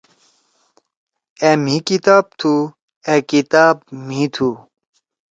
أ مھی کتاب تُھو۔ أ کتاب مھی تُھو۔